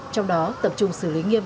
trong đó tập trung xử lý nghiêm